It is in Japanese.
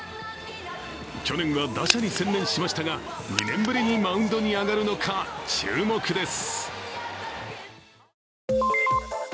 去年は打者に専念しましたが、２年ぶりにマウンドに上がるのか注目です。